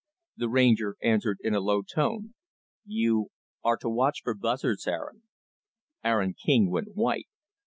The Ranger answered in a low tone, "You are to watch for buzzards, Aaron." Aaron King went white.